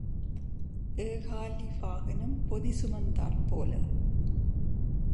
ஏகாலி வாகனம் பொதி சுமந்தாற் போல.